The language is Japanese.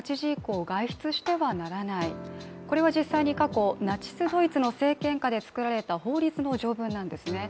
これは実際に過去、ナチス・ドイツの政権下で作られた法律の条文なんですね。